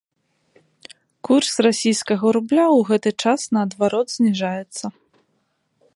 Курс расійскага рубля ў гэты час наадварот зніжаецца.